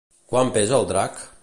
Quant pesa el drac?